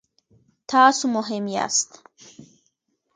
تاسو مهم یاست